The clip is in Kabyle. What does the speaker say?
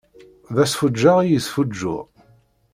D asfuǧǧeɣ i yesfuǧǧuɣ.